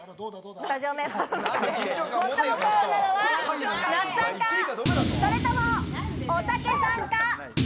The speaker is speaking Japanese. スタジオメンバーの中で最も幸運なのは那須さんか、それとも、おたけさんか？